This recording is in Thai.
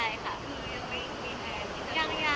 คือยังไม่มีแรง